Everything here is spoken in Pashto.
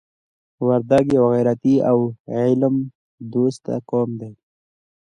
وردګ یو غیرتي او علم دوسته قوم دی.